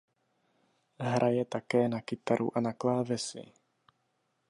Hraje také na kytaru a na klávesy.